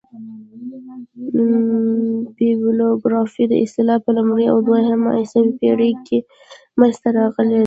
بیبلوګرافي اصطلاح په لومړۍ او دوهمه عیسوي پېړۍ کښي منځ ته راغلې ده.